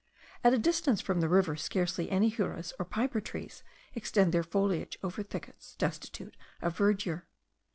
At a distance from the river scarcely any huras or piper trees extend their foliage over thickets destitute of verdure.